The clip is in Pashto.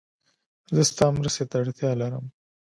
زه ستا مرستې ته اړتیا لرم